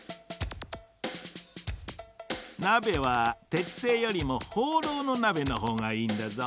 なべはてつせいよりもほうろうのなべのほうがいいんだぞ。